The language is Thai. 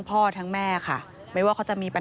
พบหน้าลูกแบบเป็นร่างไร้วิญญาณ